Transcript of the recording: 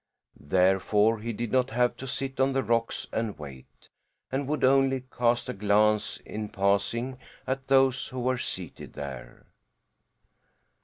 Therefore he did not have to sit on the rocks and wait, and would only cast a glance, in passing, at those who were seated there.